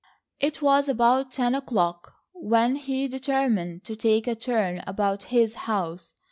It was about ten o'clock, when he determined to take a turn about his house.